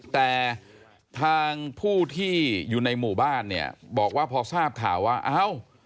แต่ทางผู้ที่อยู่ในหมู่บ้านเนี่ยบอกว่าพอทราบข่าวว่าเอ้า